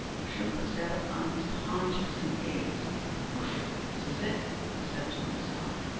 Shunka sat upon his haunches and gazed. "Wough, this is it!" he said to himself.